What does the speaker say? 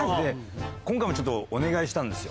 今回もちょっとお願いしたんですよ。